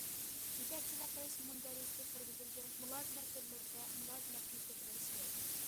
يېتەكچىلىك قىلىش مۇندەرىجىسىگە كىرگۈزۈلگەن مۇلازىمەت تۈرلىرىدە مۇلازىمەتنى سېتىۋېلىش كېرەك.